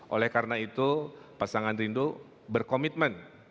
oleh karena itu pasangan rindu berkomitmen